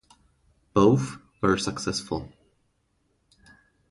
Both were successful.